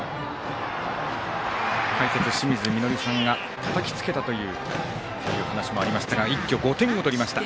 解説、清水稔さんがたたきつけたというそういうお話もありましたが一挙５点を取りました。